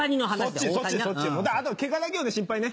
であとケガだけは心配ね。